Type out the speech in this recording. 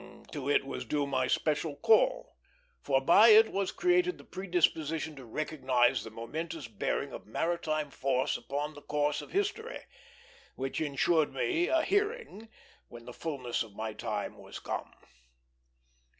To it was due my special call; for by it was created the predisposition to recognize the momentous bearing of maritime force upon the course of history, which insured me a hearing when the fulness of my time was come.